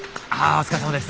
お疲れさまです。